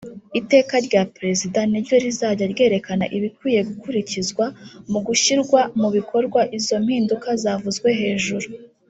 Iteka rya Perezida ni ryo rizajya ryerekana ibikwiye gukurikizwa mu gushyirwa mu bikorwa izo mpinduka zavuzwe hejuru